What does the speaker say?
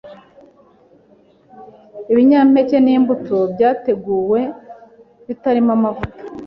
Ibinyampeke n’imbuto byateguwe bitarimo amavuta